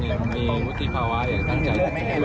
อย่างมีมุติภาวะอย่างตั้งใจ